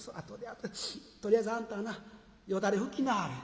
とりあえずあんたはなよだれ拭きなはれ。